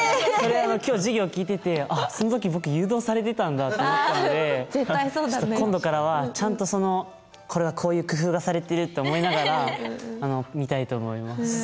それあの今日授業聞いてて「あっその時僕誘導されてたんだ」って思ったんで今度からはちゃんとその「これはこういう工夫がされてる」って思いながら見たいと思います。